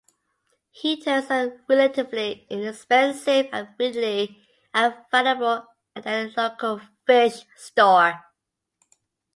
Heaters are relatively inexpensive and readily available at any local fish store.